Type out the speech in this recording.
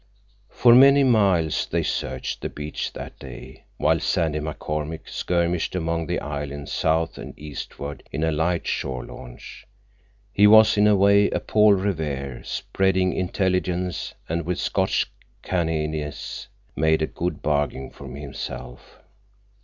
For many miles they searched the beach that day, while Sandy McCormick skirmished among the islands south and eastward in a light shore launch. He was, in a way, a Paul Revere spreading intelligence, and with Scotch canniness made a good bargain for himself.